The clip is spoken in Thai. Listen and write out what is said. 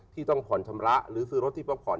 ที่ต้องผ่อนชำระหรือซื้อรถที่ต้องผ่อน